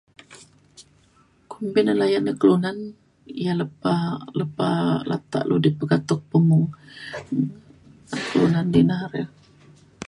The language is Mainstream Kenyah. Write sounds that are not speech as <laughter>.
kumpin na layan da kelunan ya lepa lepa latak lu da pekatuk pemung <noise> kelunan dina re